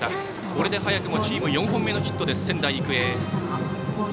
これで早くもチーム４本目のヒット、仙台育英。